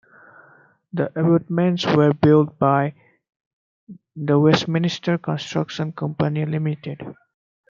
The abutments were built by the Westminster Construction Company Limited.